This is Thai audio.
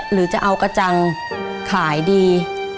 หรือจะเอากระจังขายดี